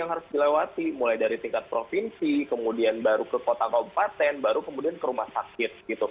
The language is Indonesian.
yang harus dilewati mulai dari tingkat provinsi kemudian baru ke kota kabupaten baru kemudian ke rumah sakit